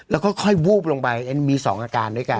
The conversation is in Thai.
แล้วก็ค่อยวูบลงไปมี๒อาการด้วยกัน